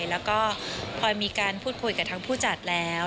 แล้วก็พลอยมีการพูดคุยกับทางผู้จัดแล้ว